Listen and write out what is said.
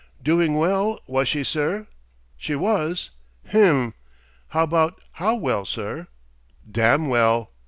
Doing well, was she, sir? She was. Hem! About how well, sir? Damn' well.